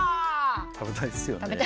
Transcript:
食べたいですよね？